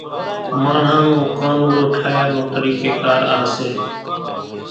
ماڻۿان نو ڪانوڙو ٺاھيا نو طريقي ڪار آ سي